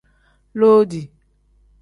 Loodi.